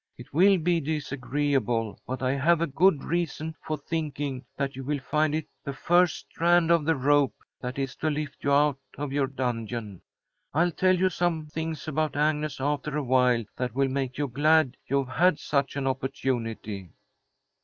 It will be disagreeable, but I have a good reason for thinking that you will find it the first strand of the rope that is to lift you out of your dungeon. I'll tell you some things about Agnes after awhile that will make you glad you have had such an opportunity."